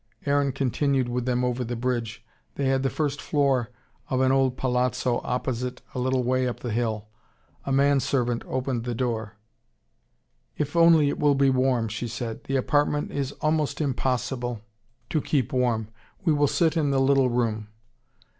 Aaron continued with them over the bridge. They had the first floor of an old palazzo opposite, a little way up the hill. A man servant opened the door. "If only it will be warm," she said. "The apartment is almost impossible to keep warm. We will sit in the little room."